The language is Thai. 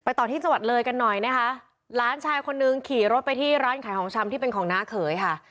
ต่อที่จังหวัดเลยกันหน่อยนะคะหลานชายคนนึงขี่รถไปที่ร้านขายของชำที่เป็นของน้าเขยค่ะ